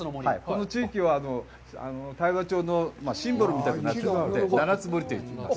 この地域は、大和町のシンボルみたくなっているので、七ツ森と呼びます。